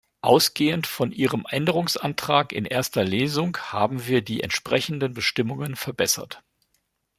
Ausgehend von Ihrem Änderungsantrag in erster Lesung haben wir die entsprechenden Bestimmungen verbessert.